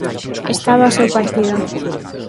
Estaba o seu partido.